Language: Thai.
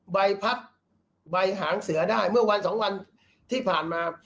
ใบพัดใบหางเสือได้เมื่อวันสองวันที่ผ่านมา